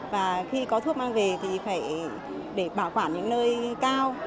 và khi có thuốc mang về thì phải để bảo quản những nơi cao